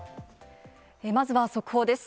まずは速報です。